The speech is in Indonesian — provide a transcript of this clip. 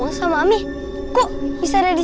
gak salah eh